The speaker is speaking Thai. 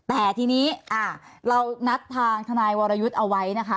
แต่ทีนี้เรานัดทางทนายวรยุทธ์เอาไว้นะคะ